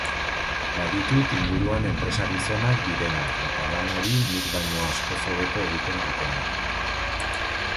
Baditut inguruan enpresa-gizonak direnak eta lan hori nik baino askoz hobeto egiten dutenak.